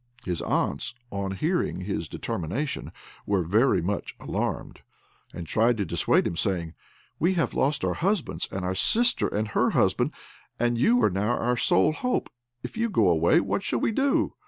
His aunts, on learning his determination, were much alarmed and tried to dissuade him, saying, "We have lost our husbands, and our sister and her husband, and you are now our sole hope; if you go away, what shall we do?"